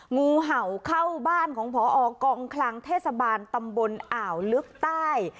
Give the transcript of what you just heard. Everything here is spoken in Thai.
งูเห่าเข้าบ้านของพอกองคลังเทศบาลตำบลอ่าวลึกใต้